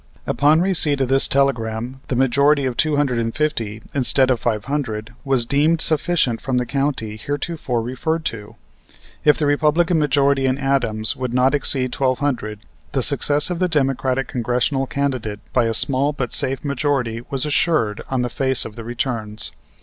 Upon receipt of this telegram the majority of two hundred and fifty instead of five hundred was deemed sufficient from the county heretofore referred to. If the Republican majority in Adams would not exceed twelve hundred, the success of the Democratic Congressional candidate by a small but safe majority was assured on the face of the returns.